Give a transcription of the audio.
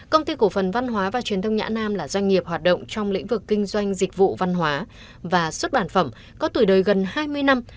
công ty cổ phần văn hóa và truyền thông nhã nam là doanh nghiệp hoạt động trong lĩnh vực kinh doanh dịch vụ văn hóa và xuất bản phẩm có tuổi đời gần hai mươi năm